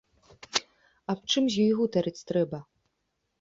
Аб чым з ёй гутарыць трэба?